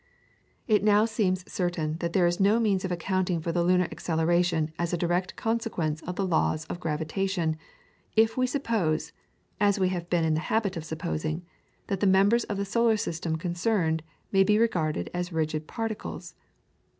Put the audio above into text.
It now seems certain that there is no means of accounting for the lunar acceleration as a direct consequence of the laws of gravitation, if we suppose, as we have been in the habit of supposing, that the members of the solar system concerned may be regarded as rigid particles.